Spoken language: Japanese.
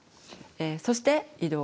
そして移動。